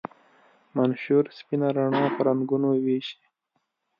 منشور سپینه رڼا په رنګونو ویشي.